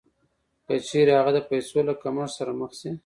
که چېرې هغه د پیسو له کمښت سره مخ شي